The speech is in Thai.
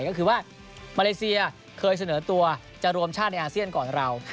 ก็คือว่ามาเลเซียเคยเสนอตัวจะรวมชาติในอาเซียนก่อนเรา